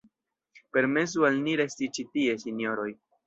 Permesu al ni resti ĉi tie, sinjoroj!